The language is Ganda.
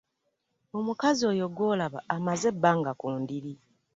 Omukazi oyo gw'olaba amaze ebbanga ku ndiri.